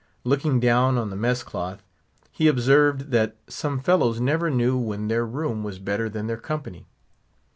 Looking down on the mess cloth, he observed that some fellows never knew when their room was better than their company.